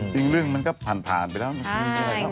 จริงเรื่องมันก็ผ่านไปแล้ว